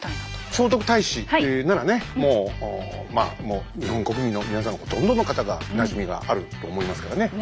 聖徳太子ならねもう日本国民の皆さんほとんどの方がなじみがあると思いますからね。